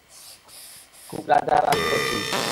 খুব রাজ রাজ করছিস?